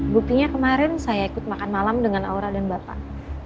buktinya kemarin saya ikut makan malam dengan aura dan bapak